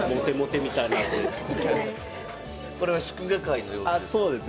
これは祝賀会の様子ですか？